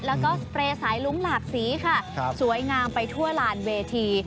แล้วก็สเปรย์สายลุ้งหลากสีค่ะสวยงามไปทั่วลานเวที